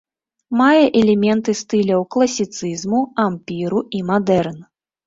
Мае элементы стыляў класіцызму, ампіру і мадэрн.